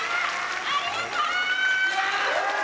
ありがとう！